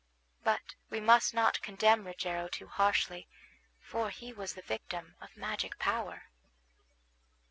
But we must not condemn Rogero too harshly, for he was the victim of magic power.